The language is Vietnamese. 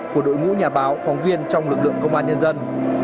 của đội ngũ nhà báo phóng viên trong lực lượng công an nhân dân